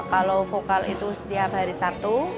kalau vokal itu setiap hari sabtu